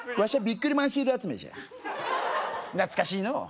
ビックリマンシール集めじゃ懐かしいのう